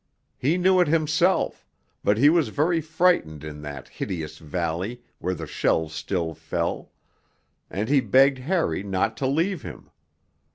He knew it himself, but he was very frightened in that hideous valley where the shells still fell, and he begged Harry not to leave him.